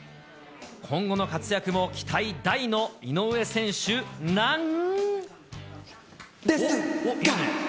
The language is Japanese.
今後の活躍も期待大の井上選手なん。